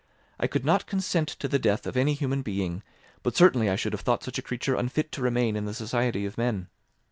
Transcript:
I could not consent to the death of any human being, but certainly I should have thought such a creature unfit to remain in the society of men.